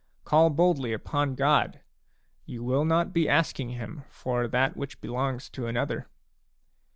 Call boldly upon God ; you will not be asking him for that which belongs to another.